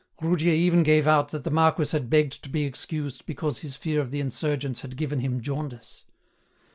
Roudier even gave out that the marquis had begged to be excused because his fear of the insurgents had given him jaundice.